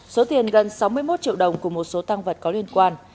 số tiền gần sáu mươi một triệu đồng cùng một số tăng vật có liên quan